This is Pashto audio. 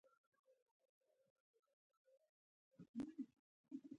د اسمان د سیند څپو کې اوریځ